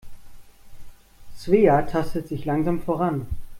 Svea tastet sich langsam voran.